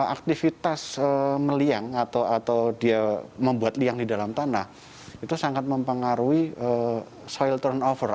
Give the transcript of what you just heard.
aktivitas meliang atau dia membuat liang di dalam tanah itu sangat mempengaruhi soil turnover